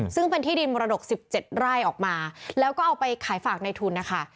ซึ่งเป็นที่ดินมรดก๑๗ไร่ออกมาแล้วก็เอาไปขายฝากในทุนนะคะ